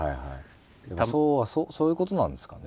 でもそういうことなんですかね。